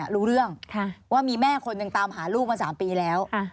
รู้เรื่องว่ามีแม่คนหนึ่งตามหาลูกมา๓ปีแล้ว